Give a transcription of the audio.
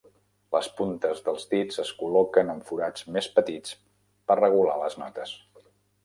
Les puntes dels dits es col·loquen en forats més petits per regular les notes.